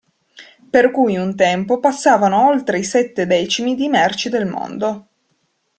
Per cui un tempo passavano oltre i sette decimi di merci del mondo.